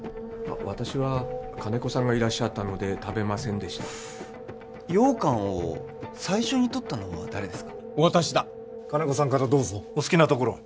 私は金子さんがいらっしゃったので食べませんでした羊羹を最初に取ったのは誰ですか私だ金子さんからお好きな所を